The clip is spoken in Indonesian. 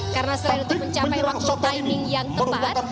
karena selain untuk mencapai waktu timing yang tepat